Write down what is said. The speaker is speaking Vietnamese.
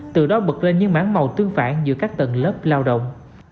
từ đó bật lên những mảng màu tương phản giữa các tầng lớp lao động